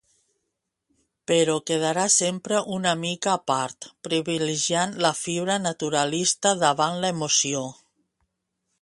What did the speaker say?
Però quedarà sempre una mica a part, privilegiant la fibra naturalista davant l'emoció.